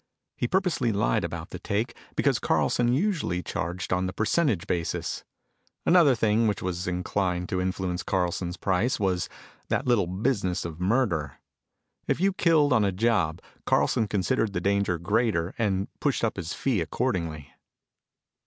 He purposely lied about the take because Carlson usually charged on the percentage basis. Another thing which was inclined to influence Carlson's price was that little business of murder. If you killed on a job Carlson considered the danger greater and pushed up his fee accordingly.